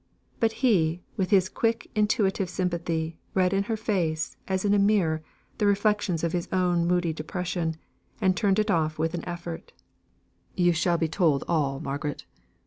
But he, with his quick intuitive sympathy, read in her face, as in a mirror, the reflections of his own moody depression, and turned it off with an effort. "You shall be told all, Margaret.